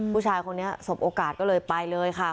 ผู้ชายคนนี้สบโอกาสก็เลยไปเลยค่ะ